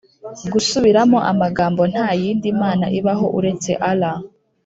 gusubiramo amagambo nta yindi mana ibaho uretse allah